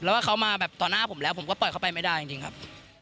แล้วว่าเขามาแบบต่อหน้าผมแล้วผมก็ปล่อยเข้าไปไม่ได้จริงครับ